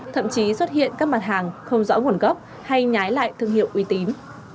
thậm chí xuất hiện các mặt hàng không rõ nguồn gốc hay nhái lại thương hiệu uy tín